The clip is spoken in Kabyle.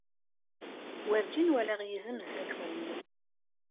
Werǧin walaɣ izem sdat n wallen-iw.